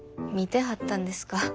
見てはったんですか。